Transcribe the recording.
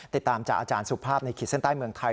ติดตามจากอาจารย์สุภาพในขีดเส้นใต้เมืองไทย